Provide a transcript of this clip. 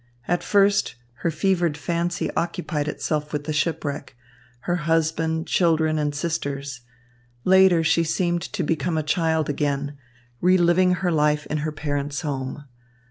At first her fevered fancy occupied itself with the shipwreck, her husband, children, and sisters. Later she seemed to become a child again, reliving her life in her parents' home.